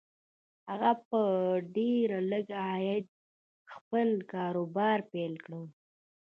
هغه په ډېر لږ عايد خپل کاروبار پيل کړ.